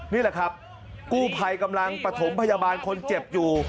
นี่แหละครับกู้ภัยกำลังประถมพยาบาลคนเจ็บอยู่